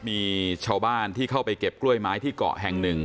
มีชาวบ้านที่เข้าไปเก็บกล้วยไม้ที่เกาะแห่งหนึ่ง